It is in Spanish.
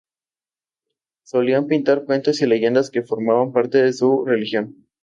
Solían pintar cuentos y leyendas que formaban parte de su religión.